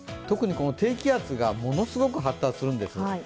特に低気圧がものすごく発達するんです。